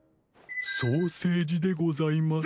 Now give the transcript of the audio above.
「ソーセージ」でございます。